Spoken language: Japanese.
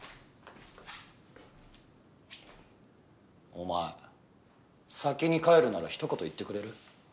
お前先に帰るならひと言言ってくれる？